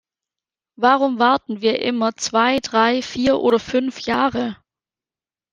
Warum warten wir immer zwei, drei, vier oder fünf Jahre?